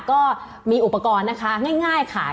ก็มีอุปกรณ์นะคะง่ายค่ะ